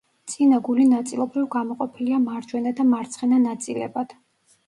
წინა გული ნაწილობრივ გამოყოფილია მარჯვენა და მარცხენა ნაწილებად.